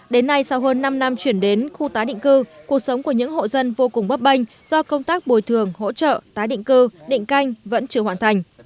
đến nay sau hơn năm năm chuyển đến khu tái định cư cuộc sống của những hộ dân vô cùng bấp bênh do công tác bồi thường hỗ trợ tái định cư định canh vẫn chưa hoàn thành